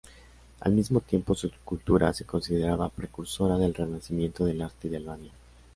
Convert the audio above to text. Al mismo tiempo, su escultura se considera precursora del renacimiento del arte de Albania.